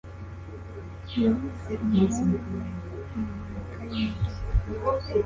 Yabuze umuhungu we mu mpanuka y'imodoka.